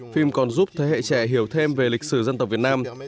phim còn giúp thế hệ trẻ hiểu thêm về lịch sử dân tộc việt nam